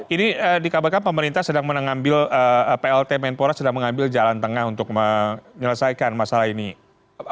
ini dikabarkan pemerintah sedang mengambil plt menpora sedang mengambil jalan tengah untuk menyelesaikan masalah ini